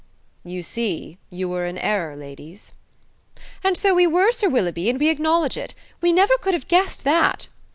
"You see, you were in error, ladies." "And so we were, Sir Willoughby, and we acknowledge it. We never could have guessed that!"